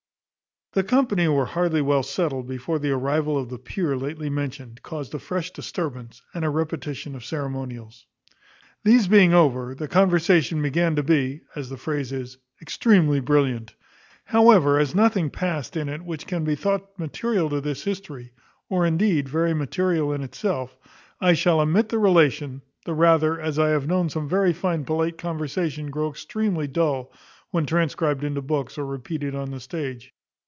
The company were hardly well settled, before the arrival of the peer lately mentioned, caused a fresh disturbance, and a repetition of ceremonials. These being over, the conversation began to be (as the phrase is) extremely brilliant. However, as nothing past in it which can be thought material to this history, or, indeed, very material in itself, I shall omit the relation; the rather, as I have known some very fine polite conversation grow extremely dull, when transcribed into books, or repeated on the stage.